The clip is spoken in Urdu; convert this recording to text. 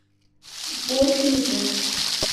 ووٹ کی عزت۔